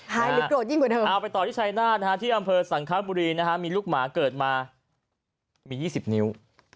หายหรือโกรธยิ่งกว่าเท่าไหร่เอาไปต่อที่ชัยนาธิอำเภอสังคราฟบุรีนะฮะมีลูกหมาเกิดมามี๒๐นิ้ว